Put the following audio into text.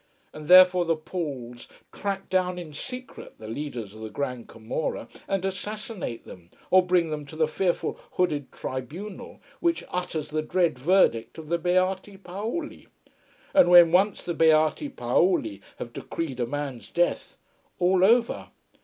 And therefore the Pauls track down in secret the leaders of the Grand Camorra, and assassinate them, or bring them to the fearful hooded tribunal which utters the dread verdict of the Beati Paoli. And when once the Beati Paoli have decreed a man's death all over.